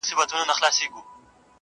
دا مه وايه چي ژوند تر مرگ ښه دی.